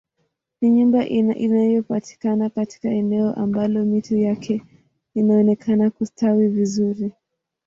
Ni nyumba inayopatikana katika eneo ambalo miti yake inaonekana kustawi vizuri